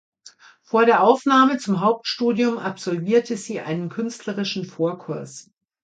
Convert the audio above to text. Vor der Aufnahme zum Hauptstudium absolvierte sie einen künstlerischen Vorkurs.